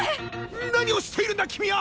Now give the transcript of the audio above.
⁉何をしているんだ君は！